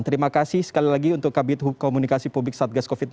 terima kasih sekali lagi untuk kabinet komunikasi publik satgas covid sembilan belas